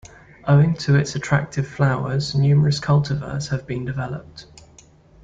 Owing to its attractive flowers, numerous cultivars have been developed.